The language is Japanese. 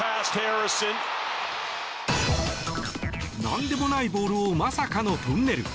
なんでもないボールをまさかのトンネル。